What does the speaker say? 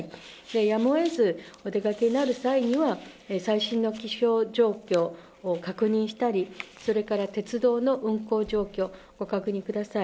やむを得ずお出かけになる際には、最新の気象状況を確認したり、それから鉄道の運行状況、ご確認ください。